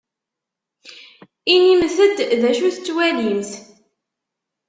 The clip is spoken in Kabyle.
Inimt-d d acu tettwalimt.